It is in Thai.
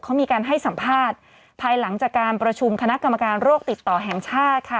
เขามีการให้สัมภาษณ์ภายหลังจากการประชุมคณะกรรมการโรคติดต่อแห่งชาติค่ะ